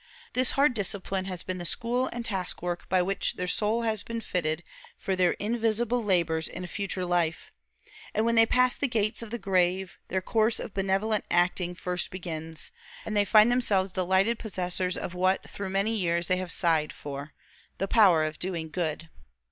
This hard discipline has been the school and task work by which their soul has been fitted for their invisible labors in a future life; and when they pass the gates of the grave, their course of benevolent acting first begins, and they find themselves delighted possessors of what through many years they have sighed for the power of doing good.